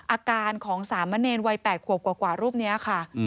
อาการของสามะเนรวัย๘ขวบกว่ารูปนี้ค่ะ